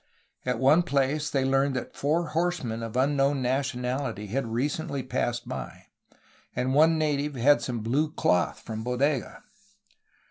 At one place they learned that four horsemen of un known nationality had recently passed by, and one native had some blue cloth from Bodega.